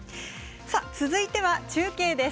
続いては、中継です。